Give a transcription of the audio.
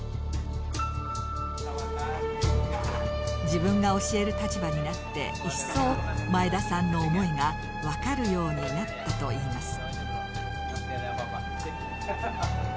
自分が教える立場になって一層前田さんの思いが分かるようになったといいます。